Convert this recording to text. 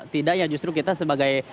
tidak ya justru kita sebagai